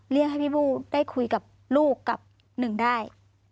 เรียกให้พี่บู้ได้คุยกับลูกกับหนึ่งได้